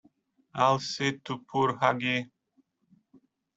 I'll see to poor Hughie.